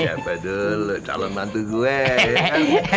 siapa dulu calon mantu gue ya kan